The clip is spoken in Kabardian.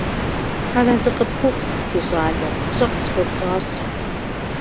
Тхьэр арэзы къыпхухъу, си щӀалэ, пщӀэ къысхуэпщӀащ.